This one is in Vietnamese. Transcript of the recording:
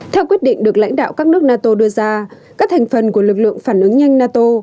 theo quyết định được lãnh đạo các nước nato đưa ra các thành phần của lực lượng phản ứng nhanh nato